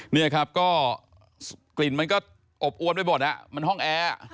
นี่ครับก็กลิ่นมันก็อบอวนไปหมดมันห้องแอร์